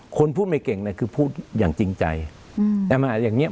คนพูดไม่เก่งเนี่ยคือพูดอย่างจริงใจอืมแต่มาอย่างเนี้ย